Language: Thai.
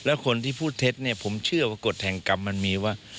แล้วคนที่พูดเท็จเนี่ยผมเชื่อว่ากฎแห่งกรรมมันมีว่า